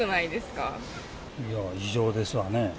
いや、異常ですわね。